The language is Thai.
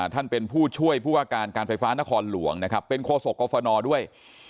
ท่านเป็นผู้ช่วยผู้ว่าการการไฟฟ้านครหลวงนะครับเป็นโคศกกรฟนด้วย